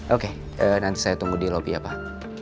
oke nanti saya tunggu di lobby ya pak